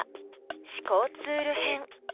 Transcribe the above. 思考ツール編。